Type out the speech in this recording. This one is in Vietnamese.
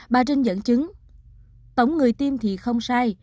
bà trưng dẫn chứng tổng người tiêm thì không sai